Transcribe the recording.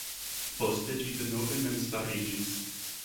Poste ĝi denove memstariĝis.